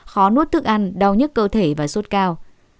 khó nuốt thức ăn đau nhức cơ thể và sốt cao